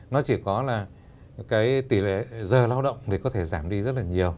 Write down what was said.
nó chỉ có là cái tỷ lệ giờ lao động thì có thể giảm đi rất là nhiều